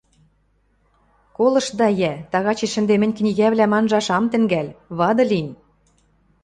Колыштда йӓ, тагачеш ӹнде мӹнь книгӓвлӓм анжаш ам тӹнгӓл, вады лин...